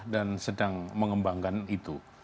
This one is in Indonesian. dan sedang mengembangkan itu